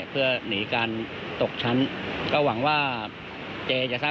สรุปจะเอากี่เมตร